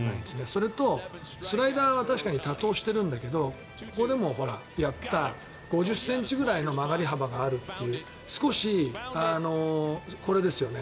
それとスライダーは確かに多投してるんだけどここでもやった５０ｃｍぐらいの曲がり幅があるという少しこれですよね。